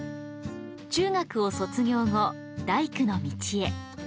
中学を卒業後大工の道へ。